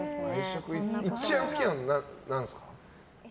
一番好きなのは何ですか？